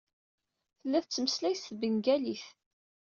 Tella tettmeslay s tbengalit.